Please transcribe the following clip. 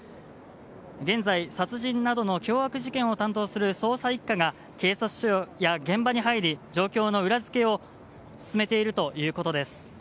現在、殺人などの凶悪事件を担当する捜査１課が警察署や現場に入り状況の裏付けを進めているということです。